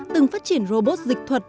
từng phát triển robot dịch thuật